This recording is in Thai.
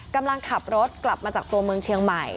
กำลังขับรถกลับมาจากตัวเมืองเชียงใหม่